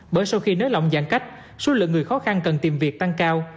bởi sau khi nới lỏng giãn cách số lượng người khó khăn cần tìm việc tăng cao